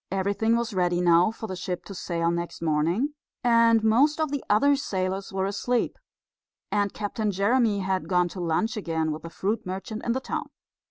Everything was ready now for the ship to sail next morning, and most of the other sailors were asleep, and Captain Jeremy had gone to lunch again with the fruit merchant in the town.